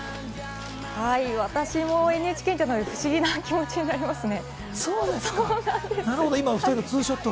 私もＮＨＫにいたので、不思議な気持ちになりますね。